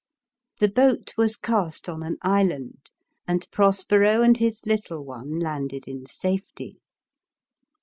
The boat was cast on an island, and Prospero and his little one landed in safety.